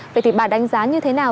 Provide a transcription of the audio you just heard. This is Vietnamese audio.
vậy thì bà đánh giá như thế nào